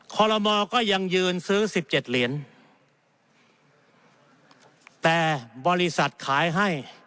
คอลโลมอก็ยังยืนซื้อสิบเจ็ดเหรียญแต่บริษัทขายให้